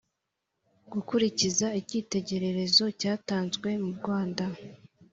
gukurikiza icyitegererezo cyatanzwe murwanda